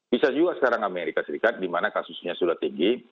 bisa juga sekarang amerika serikat di mana kasusnya sudah tinggi